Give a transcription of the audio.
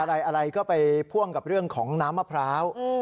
อะไรก็ไปพ่วงกับเรื่องของน้ำมะพร้าว